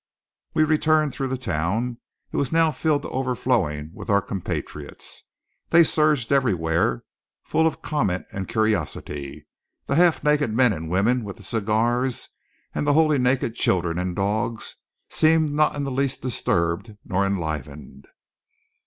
We returned through the town. It was now filled to overflowing with our compatriots. They surged everywhere, full of comment and curiosity. The half naked men and women with the cigars, and the wholly naked children and dogs, seemed not in the least disturbed nor enlivened.